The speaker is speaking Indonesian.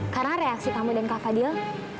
karena reaksi kamu dan kak fadil